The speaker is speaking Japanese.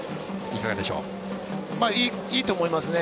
いいと思いますね。